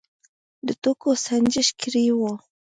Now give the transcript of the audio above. د توکو سنجش کړی و.